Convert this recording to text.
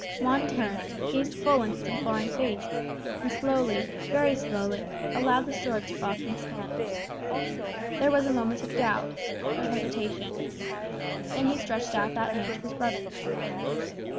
Juan turned, gazed full in his imploring face, and slowly, very slowly, allowed the sword to fall from his hand. There was a moment of doubt, of hesitation. Then he stretched out that hand to his brother.